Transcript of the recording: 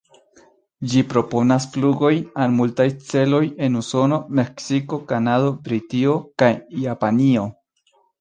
Ĝi proponas flugojn al multaj celoj en Usono, Meksiko, Kanado, Britio, kaj Japanio.